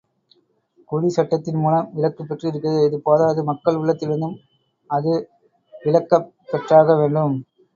குடி சட்டத்தின் மூலம் விலக்கப் பெற்றிருக்கிறது, இது போதாது மக்கள் உள்ளத்திலிருந்தும் அது விலக்கப் பெற்றாகவேண்டும்.